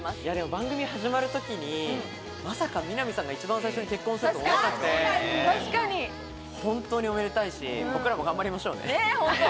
番組始まるときに、まさか、みなみさんが一番最初に結婚するとは思わなくて、本当に本当におめでたいし、僕らも頑張りましょうね。